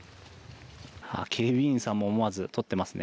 警備員さんも思わず撮ってますね